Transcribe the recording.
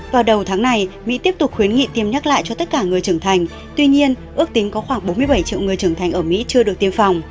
vào đầu tháng này mỹ tiếp tục khuyến nghị tiêm nhắc lại cho tất cả người trưởng thành tuy nhiên ước tính có khoảng bốn mươi bảy triệu người trưởng thành ở mỹ chưa được tiêm phòng